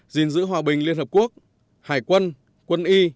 gìn giữ hòa bình liên hợp quốc hải quân quân y